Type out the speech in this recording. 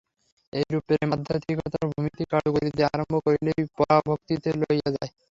এইরূপ প্রেম আধ্যাত্মিকতার ভূমিতে কার্য করিতে আরম্ভ করিলেই পরাভক্তিতে লইয়া যায়।